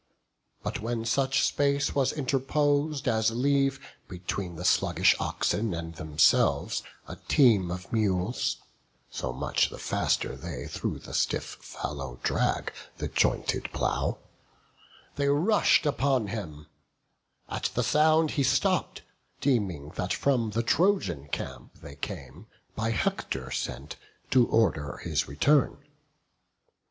But when such space was interpos'd as leave Between the sluggish oxen and themselves A team of mules (so much the faster they Through the stiff fallow drag the jointed plough), They rush'd upon him; at the sound he stopp'd, Deeming that from the Trojan camp they came, By Hector sent, to order his return.